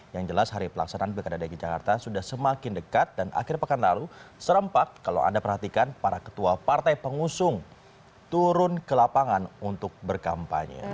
yang jelas hari pelaksanaan pilkada dki jakarta sudah semakin dekat dan akhir pekan lalu serempak kalau anda perhatikan para ketua partai pengusung turun ke lapangan untuk berkampanye